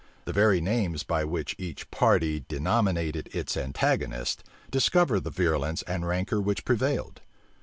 The very names by which each party denominated its antagonist, discover the virulence and rancor which prevailed.